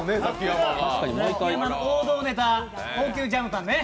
王道ネタ、高級ジャムパンね。